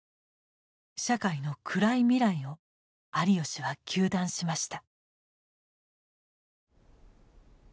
社会の暗い未来を有吉は糾弾しました。